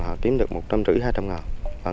họ tìm được một trăm linh trữ hai trăm linh ngàn